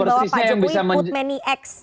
bahwa pak jokowi put many x